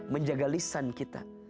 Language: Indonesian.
menjaga lisan kita